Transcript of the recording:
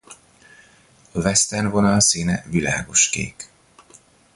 A Western vonal színe világoskék.